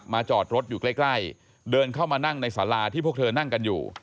จอดรถอยู่ใกล้เดินเข้ามานั่งในสาราที่พวกเธอนั่งกันอยู่